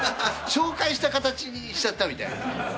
紹介した形にしちゃったみたいな。